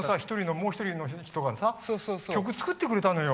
もう一人の人がさ曲作ってくれたのよ。